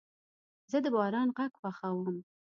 زه د باران غږ خوښوم.